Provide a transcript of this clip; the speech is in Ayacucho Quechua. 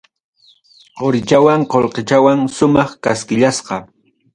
Qorichawan qollqechawan, sumaq kaskillasqa.